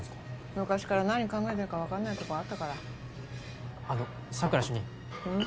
昔から何考えてるか分かんないとこあったからあの佐久良主任うん？